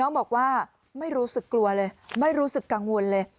บอกว่าไม่รู้สึกกลัวเลยไม่รู้สึกกังวลเลย